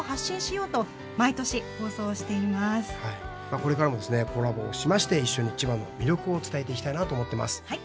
これからもコラボをしまして一緒に千葉の魅力を伝えていきたいなと思ってます。